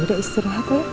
yaudah istirahat dong